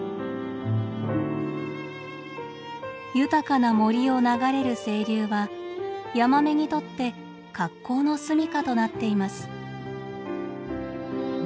豊かな森を流れる清流はヤマメにとって格好の住みかとなっています。